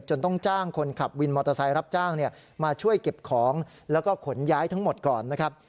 ต้องจ้างคนขับวินมอเตอร์ไซค์รับจ้างมาช่วยเก็บของแล้วก็ขนย้ายทั้งหมดก่อนนะครับ